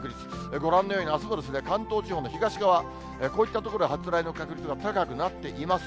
ご覧のようにあすも、関東地方の東側、こういった所で発雷の確率が高くなっています。